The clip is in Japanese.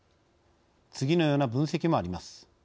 次のような分析もあります。